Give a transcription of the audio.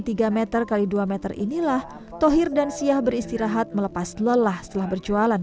tiga m x dua meter inilah tohir dan siah beristirahat melepas lelah setelah berjualan